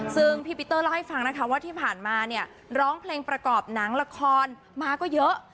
ซึ่งพี่ปีเตอร์เล่าให้ฟังนะคะว่าที่ผ่านมาเนี่ยร้องเพลงประกอบหนังละครมาก็เยอะ